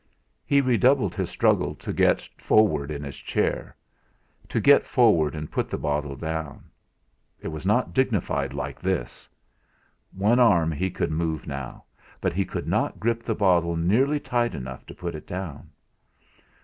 He redoubled his struggle to get forward in his chair; to get forward and put the bottle down. It was not dignified like this! One arm he could move now; but he could not grip the bottle nearly tight enough to put it down.